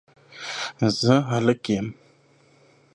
زه هلک یم